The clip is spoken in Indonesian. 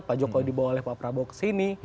pak jokowi dibawa oleh pak prabowo kesini